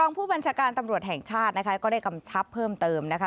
ผู้บัญชาการตำรวจแห่งชาตินะคะก็ได้กำชับเพิ่มเติมนะคะ